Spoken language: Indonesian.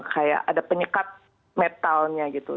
kayak ada penyekat metalnya gitu